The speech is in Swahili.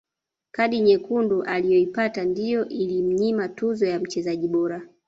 kadi nyekundu aliyoipata ndiyo ilimnyima tuzo ya mchezaji bora